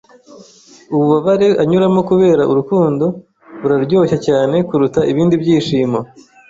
Ububabare unyuramo kubera urukundo buraryoshye cyane kuruta ibindi byishimo.